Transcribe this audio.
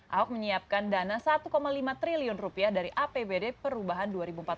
ahok menyiapkan dana rp satu lima triliun rupiah dari apbd perubahan dua ribu empat belas